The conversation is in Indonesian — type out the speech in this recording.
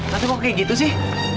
tapi kok kayak gitu sih